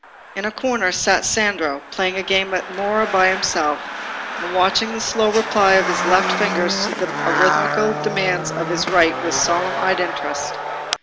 In a corner sat Sandro, playing a game at mora by himself, and watching the slow reply of his left fingers to the arithmetical demands of his right with solemn eyed interest.